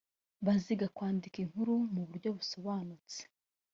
Baziga kwandika inkuru mu buryo busobanutse